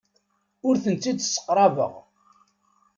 Ur tent-id-sseqrabeɣ.